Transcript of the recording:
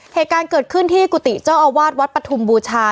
เหตุการณ์เกิดขึ้นที่กุฏิเจ้าอาวาสวัดปฐุมบูชา